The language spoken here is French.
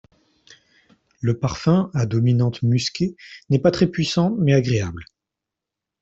Le parfum à dominante musquée n'est pas très puissant mais agréable.